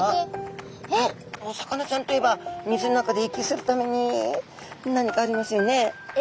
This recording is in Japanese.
お魚ちゃんといえば水の中で息するために何かありますよね。